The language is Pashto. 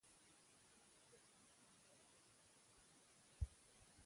رسوب د افغانستان د بډایه طبیعت یوه برخه ده.